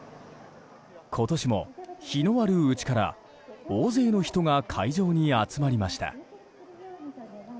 今年も日のあるうちから大勢の人が会場に集まりました。